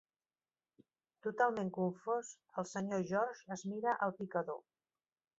Totalment confós, el senyor George es mira el picador.